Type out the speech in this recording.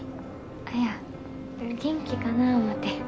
いや元気かなぁ思て。